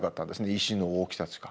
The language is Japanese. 石の大きさしか。